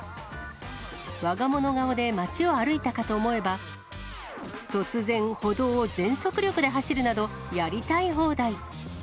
わが物顔で街を歩いたかと思えば、突然、歩道を全速力で走るなど、やりたい放題。